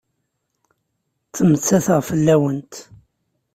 Ttmettateɣ fell-awent.